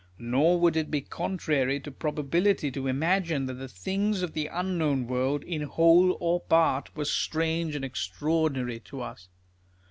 Nor would it be contrary to probability to imagine that the things of the unknown world, in whole or part, were strange and extraordinary to us.